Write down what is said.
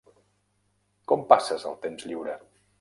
Com passes el temps lliure?